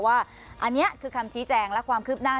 ว่าอันนี้คือคำชี้แจงและความคืบหน้า